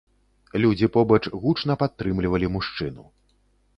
Людзі побач гучна падтрымлівалі мужчыну.